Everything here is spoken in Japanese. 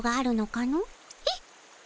えっ？